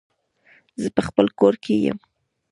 زه په خپل کور کې يم